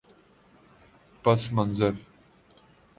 پس منظر